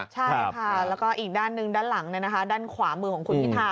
ใช่ค่ะแล้วก็อีกด้านหนึ่งด้านหลังด้านขวามือของคุณพิธา